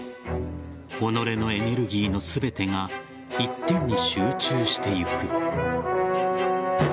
己のエネルギーの全てが一点に集中していく。